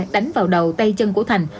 đánh vào đầu tay chân của thành